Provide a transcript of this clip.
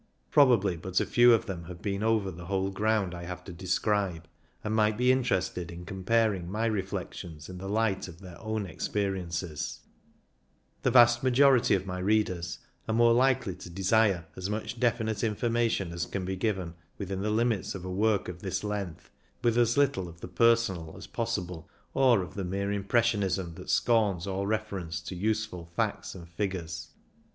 Probably but few of them have been over the whole ground I have to describe, and might be interested in comparing my reflections in the light of their own ex 54 CYCUNG IN THE ALPS periences ; the vast majority of my readers are more likely to desire as much definite information as can be given within the limits of a work of this length, with as little of the personal as possible, or of the mere impressionism that scorns all refer ence to useful facts and figures.